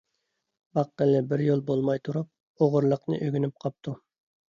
باققىلى بىر يىل بولماي تۇرۇپ، ئوغرىلىقنى ئۆگىنىپ قاپتۇ.